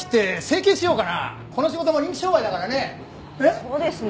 そうですね。